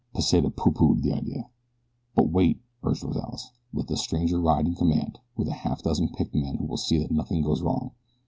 Pesita pooh poohed the idea. "But wait," urged Rozales. "Let the stranger ride in command, with a half dozen picked men who will see that nothing goes wrong.